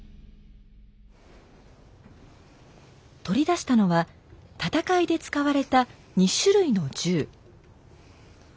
取り出したのは戦いで使われた２種類の銃。